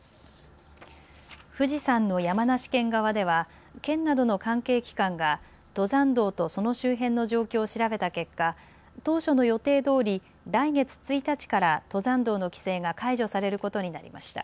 富士山の山梨県側では県などの関係機関が登山道とその周辺の状況を調べた結果、当初の予定どおり来月１日から登山道の規制が解除されることになりました。